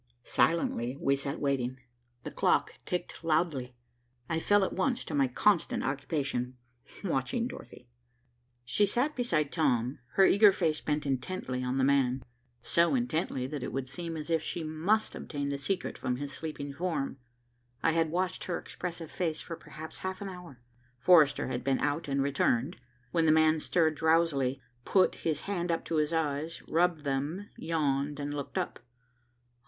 Silently we sat waiting. The clock ticked loudly. I fell at once to my constant occupation, watching Dorothy. She sat beside Tom, her eager face bent intently on the man, so intently that it would seem as if she must obtain the secret from his sleeping form. I had watched her expressive face for perhaps half an hour, Forrester had been out and returned, when the man stirred drowsily, put up his hand to his eyes, rubbed them, yawned and looked up.